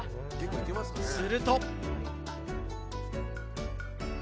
すると。